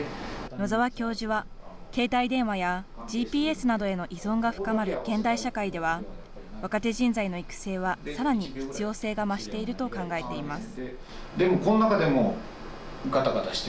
野澤教授は携帯電話やＧＰＳなどへの依存が深まる現代社会では若手人材の育成はさらに必要性が増していると考えています。